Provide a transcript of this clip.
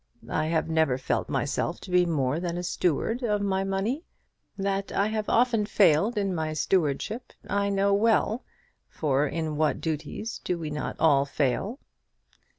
I have never felt myself to be more than a steward of my money. That I have often failed in my stewardship I know well; for in what duties do we not all fail?"